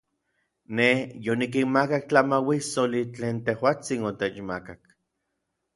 Nej yonikinmakak tlamauissoli tlen tejuatsin otechmakak.